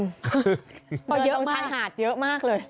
อยู่ตรงชายหาดเยอะมากเลย